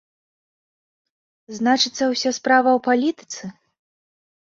Значыцца, уся справа ў палітыцы?